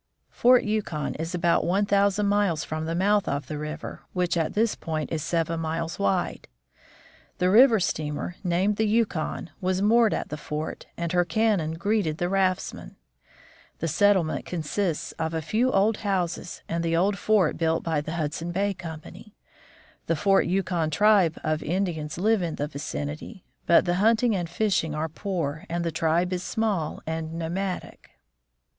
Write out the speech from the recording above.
Fort Yukon is about one thousand miles from the mouth of the river, which at this point is seven miles wide. The river steamer, named the Yukon, was moored at the fort, and her cannon greeted the raftsmen. The settlement consists of a few old houses and the old fort built by the Hudson Bay Company. The Fort Yukon tribe of Indians live in the vicinity, but the hunting and fishing are poor, and the tribe is small and nomadic.